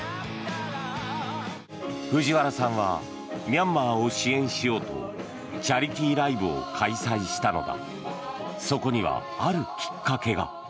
藤原さんはミャンマーを支援しようとチャリティーライブを開催したのだ。